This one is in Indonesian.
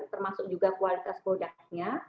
termasuk juga kualitas produknya